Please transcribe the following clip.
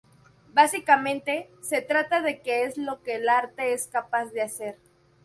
Básicamente, se trata de que es lo que el arte es capaz de hacer.